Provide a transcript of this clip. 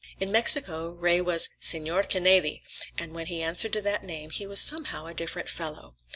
In Mexico, Ray was Señor Ken áy dy, and when he answered to that name he was somehow a different fellow.